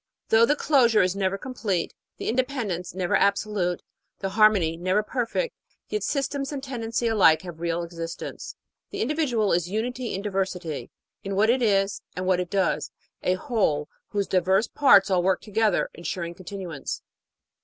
"Though the closure is never complete, the inde pendence never absolute, the harmony never perfect, yet systems and tendency alike have real existence." The individual is unity in diversity in what it is and what it does a whole whose diverse parts all work together, ensuring continuance.